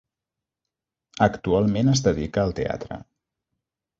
Actualment es dedica al teatre.